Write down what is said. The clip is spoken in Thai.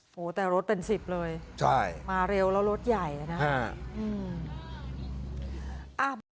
โอ้โหแต่รถเป็นสิบเลยใช่มาเร็วแล้วรถใหญ่นะอ่า